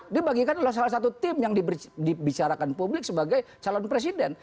dibagikan oleh salah satu tim yang dibicarakan publik sebagai calon presiden